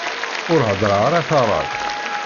Ur heddreɣ ara taɛrabt.